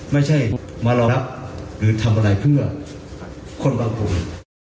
มารอกรับหรือทำอะไรเพื่อคนบางปกลุ่ม